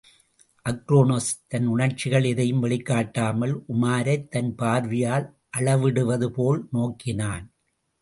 அக்ரோனோஸ், தன் உணர்ச்சிகள் எதையும் வெளிக்குக் காட்டாமல், உமாரைத் தன் பார்வையால் அளவிடுவது போல் நோக்கினான்.